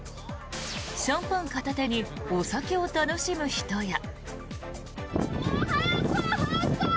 シャンパン片手にお酒を楽しむ人や。